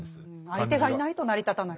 相手がいないと成り立たない。